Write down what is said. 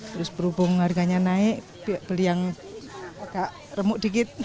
terus berhubung harganya naik beli yang agak remuk dikit